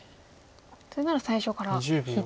それなら最初から引いていると。